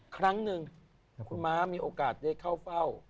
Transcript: ครั้งหนึ่งคุณม้ามีโอกาสได้เข้าเฝ้า